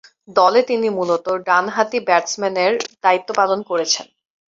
দলে তিনি মূলতঃ ডানহাতি ব্যাটসম্যানের দায়িত্ব পালন করেছেন।